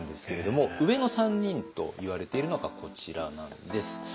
上の３人といわれているのがこちらなんです。